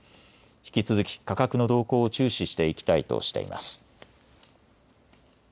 引き続き、価格の動向を注視していきたいとしています。